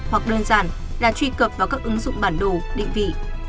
hoặc đơn giản là truy cập vào các ứng dụng bản đồ định vị